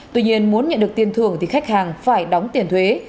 tuy nhiên muốn nhận được tiền thường thì khách hàng phải đóng tiền thuế